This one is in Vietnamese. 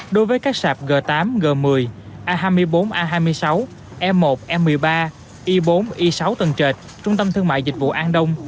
đối với các sạp g tám g một mươi a hai mươi bốn a hai mươi sáu e một e một mươi ba y bốn y sáu tầng trệt trung tâm thương mại dịch vụ an đông